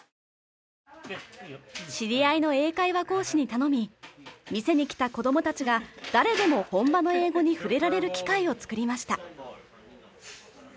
知り合いの英会話講師に頼み店に来た子どもたちが誰でも本場の英語に触れられる機会を作りました。